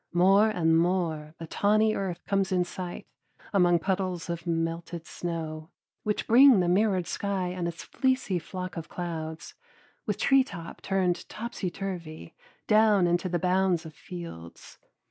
More and more the tawny earth comes in sight among puddles of melted snow, which bring the mirrored sky and its fleecy flocks of clouds, with treetops turned topsy turvy, down into the bounds of fields.